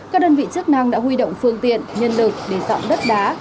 các đơn vị chức năng đã huy động phương tiện nhân lực để dọn đất đá